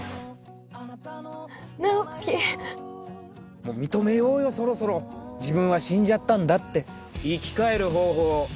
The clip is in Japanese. もう認めようよそろそろ自分は死んじゃったんだって生き返る方法